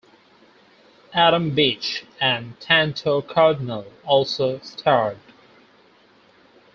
Adam Beach and Tantoo Cardinal also starred.